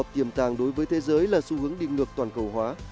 tiềm tàng đối với thế giới là xu hướng định ngược toàn cầu hóa